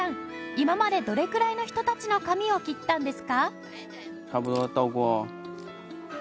今までどれくらいの人たちの髪を切ったんですか？